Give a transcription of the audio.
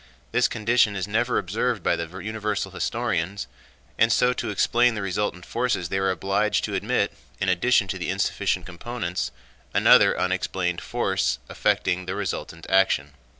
This condition is never observed by the universal historians, and so to explain the resultant forces they are obliged to admit, in addition to the insufficient components, another unexplained force affecting the resultant action.